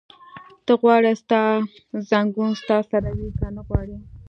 ته غواړې ستا ځنګون ستا سره وي؟ که نه غواړې؟